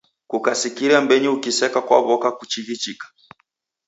Kukasikira mbenyu ukiseka kwaw'oka kuchighichika!